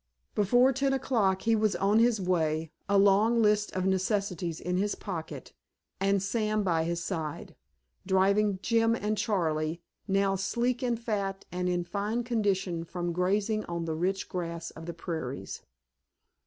Before ten o'clock he was on his way, a long list of necessities in his pocket and Sam by his side, driving Jim and Charley, now sleek and fat and in fine condition from grazing on the rich grass of the prairies.